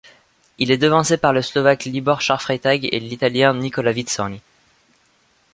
Il est devancé par le Slovaque Libor Charfreitag et l'Italien Nicola Vizzoni.